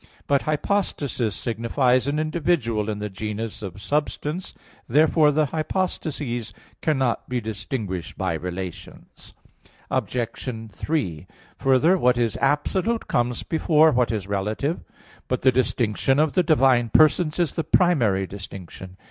But "hypostasis" signifies an individual in the genus of substance. Therefore the hypostases cannot be distinguished by relations. Obj. 3: Further, what is absolute comes before what is relative. But the distinction of the divine persons is the primary distinction.